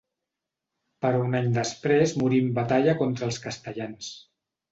Però un any després morí en batalla contra els castellans.